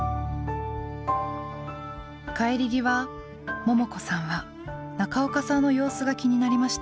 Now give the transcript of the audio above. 帰り際ももこさんは中岡さんの様子が気になりました。